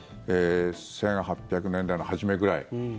１８００年代の初めぐらい。